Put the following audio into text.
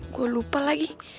gua lupa lagi